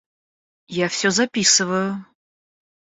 Я всё записываю.